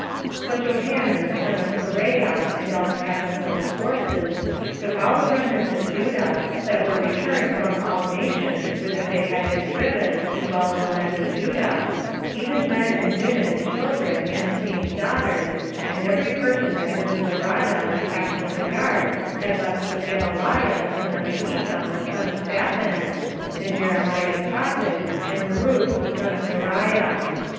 24:043:005 But Johanan the son of Kareah, and all the captains of the forces, took all the remnant of Judah, that were returned from all nations, whither they had been driven, to dwell in the land of Judah; 24:043:006 Even men, and women, and children, and the king's daughters, and every person that Nebuzaradan the captain of the guard had left with Gedaliah the son of Ahikam the son of Shaphan, and Jeremiah the prophet, and Baruch the son of Neriah.